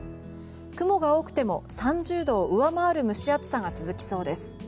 雲が多くても３０度を上回る蒸し暑さが続きそうです。